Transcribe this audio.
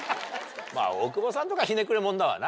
大久保さんとかはひねくれもんだわな。